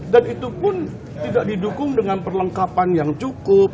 itu pun tidak didukung dengan perlengkapan yang cukup